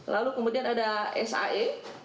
lalu kemudian ada sae